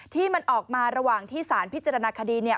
ที่มันออกมาระหว่างที่สารพิจารณาคดีเนี่ย